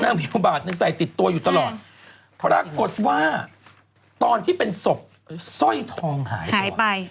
นางไปขอบาทนางใส่ติดตัวอยู่ตลอดปรากฏว่าตอนที่เป็นศพสร้อยทองหายไป